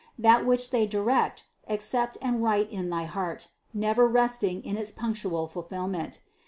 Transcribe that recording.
That which they direct, accept and write in thy heart, never resting in its punctual fulfillment.